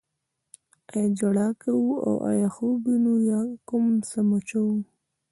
یا ژړا کوو او یا خوب وینو یا کوم څه مچوو.